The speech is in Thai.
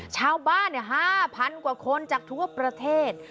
ชาวบ้าน๕๐๐๐กว่าคนจากทั่วประเทศ